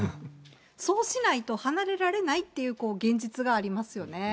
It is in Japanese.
そうしないと離れられないっていう現実がありますよね。